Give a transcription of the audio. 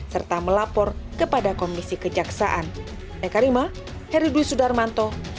serta melapor kepada komisi kejaksaan